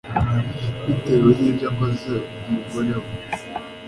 bitewe n'ibyo akoze, umugore we